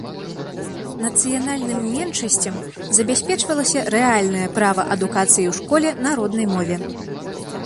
Нацыянальным меншасцям забяспечвалася рэальнае права адукацыі ў школе на роднай мове.